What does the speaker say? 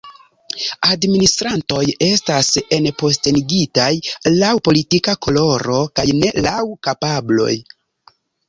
Administrantoj estas enpostenigitaj laŭ politika koloro, kaj ne laŭ kapabloj.